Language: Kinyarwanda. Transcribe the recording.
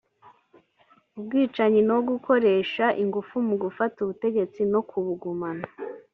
ubwicanyi no gukoresha ingufu mu gufata ubutegetsi no kubugumana